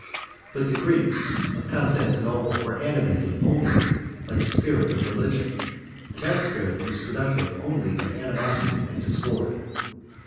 But the Greeks of Constantinople were animated only by the spirit of religion, and that spirit was productive only of animosity and discord.